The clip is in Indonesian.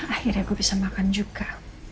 akhirnya gue bisa makan juga